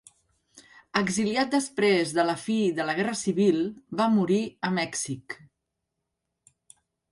Exiliat després de la fi de la Guerra Civil, va morir a Mèxic.